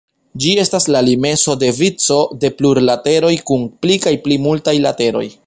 Ĝi estas la limeso de vico de plurlateroj kun pli kaj pli multaj lateroj.